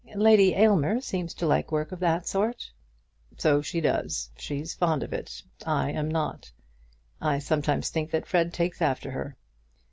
"Lady Aylmer seems to like work of that sort." "So she does. She's fond of it, I am not. I sometimes think that Fred takes after her.